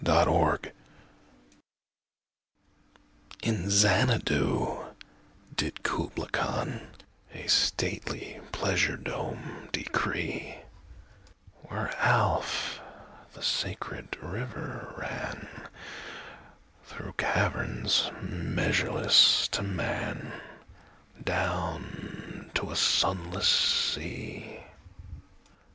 Kubla Khan IN Xanadu did Kubla KhanA stately pleasure dome decree:Where Alph, the sacred river, ranThrough caverns measureless to manDown to a sunless sea.